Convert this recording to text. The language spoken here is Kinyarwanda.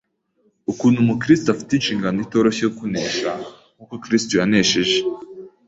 ukuntu Umukristo afite inshingano itoroshye yo kunesha nk’uko Kristo yanesheje!